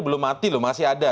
belum mati loh masih ada